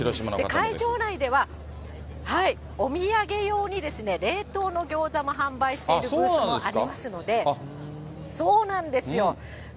会場内では、お土産用に冷凍の餃子も販売しているブースもありますので、そうなんですよ。